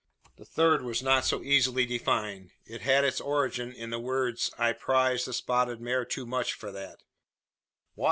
The third was not so easily defined. It had its origin in the words "I prize the spotted mare too much for that." "Why?"